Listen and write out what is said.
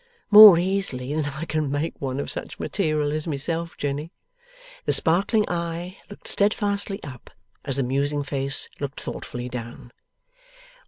'More easily than I can make one of such material as myself, Jenny.' The sparkling eye looked steadfastly up, as the musing face looked thoughtfully down.